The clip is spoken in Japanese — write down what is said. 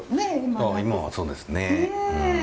ああ今はそうですね。